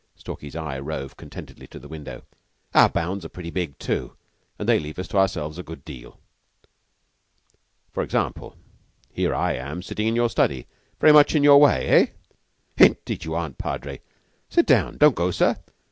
Stalky's eye roved contentedly to the window. "Our bounds are pretty big, too, and they leave us to ourselves a good deal." "For example, here am I sitting in your study, very much in your way, eh?" "Indeed you aren't, Padre. Sit down. Don't go, sir.